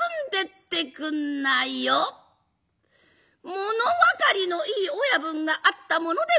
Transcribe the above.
物分かりのいい親分があったものでございます。